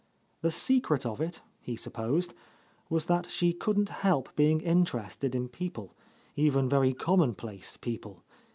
The secret of it, he supposed, was that she couldn't help being interested in people, even very commonplace people.